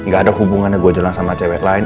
gak ada hubungannya gue jalan sama cewek lain